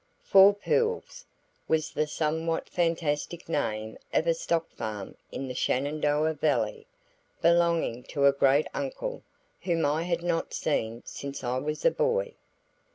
"Four Pools" was the somewhat fantastic name of a stock farm in the Shenandoah Valley, belonging to a great uncle whom I had not seen since I was a boy.